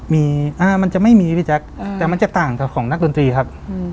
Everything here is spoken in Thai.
มีมันจะไม่มีพี่แจ๊คแต่มันจะต่างกับของนักดนตรีครับ